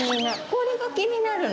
これが気になるの？